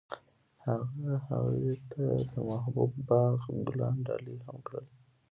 هغه هغې ته د محبوب باغ ګلان ډالۍ هم کړل.